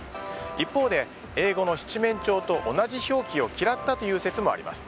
一方で英語の七面鳥と同じ表記を嫌ったという説もあります。